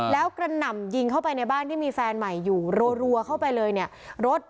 แล้วกระหน่ำยิงเข้าไปในบ้านที่มีแฟนใหม่อยู่รัวเข้าไปเลยเนี่ยรถ